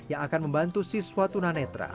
yang akan membantu siswa tunanetra